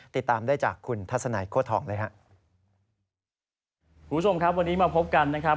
ติดตามได้จากคุณทัศนัยโฆษธองเลยครับ